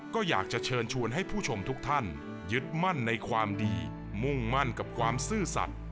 ก็อยากจะเชิญชวนให้ผู้ชมทุกท่านยึดมั่นในความดีมุ่งมั่นกับความซื่อสัตว์